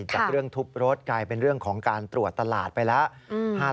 จากเรื่องทุบรถกลายเป็นเรื่องของการตรวจตลาดไปแล้ว